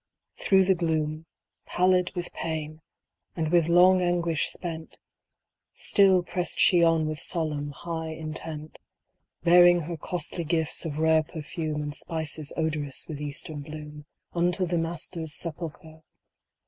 Through the gloom, Pallid with pain, and with long anguish spent, Still pressed she on with solemn, high intent, Bearing her costly gifts of rare perfume And spices odorous with eastern bloom. Unto the Master's sepulchre